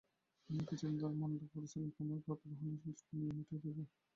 আমিও কিছুদিন থেকে মনে করছিলেম কুমারব্রত গ্রহণের নিয়ম উঠিয়ে দেব।